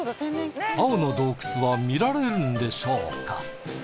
青の洞窟は見られるんでしょうか？